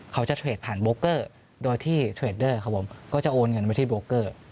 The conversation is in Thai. เขาจะเทรดผ่านโบกเกอร์โดยที่เทรดเดอร์ครับผมก็จะโอนเงินไปที่โบเกอร์